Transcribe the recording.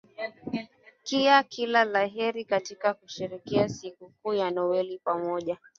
kia kila la heri katika kusherekea sikuku ya noweli pamoja